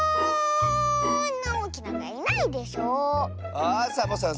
あサボさん